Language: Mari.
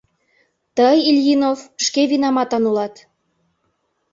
— Тый, Ильинов, шке винаматан улат!